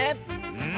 うん。